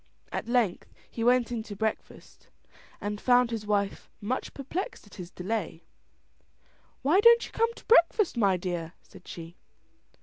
At length he went in to breakfast, and found his wife much perplexed at his delay. "Why don't you come to breakfast, my dear?" said she.